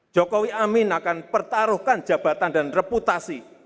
jokowi amin akan pertaruhkan jabatan dan reputasi